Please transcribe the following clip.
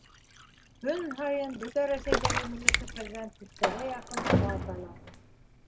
Көн һайын бөтә Рәсәйҙәге милләттәштәрҙән тиҫтәгә яҡын хат алам.